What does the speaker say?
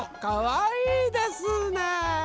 かわいいですね。